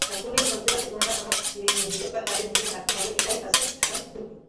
সকলেরই সাধ্যমত কোনো-না-কোনো হিতকর কাজে নিযুক্ত থাকতে হবে– এইটে হচ্ছে সাধারণ ব্রত।